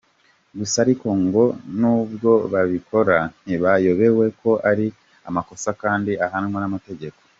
Gusa ariko ngo n’ubwo babikora ntibayobewe ko ari amakosa akandi ahanwa n’amategeko.